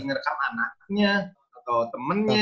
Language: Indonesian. ngerekam anaknya atau temennya